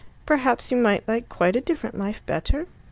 "Perhaps you might like quite a different life better?"